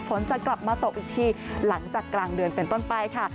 ฝนจะกลับมาตกอีกทีหลังจากกลางเดือนเป็นต้นไปค่ะ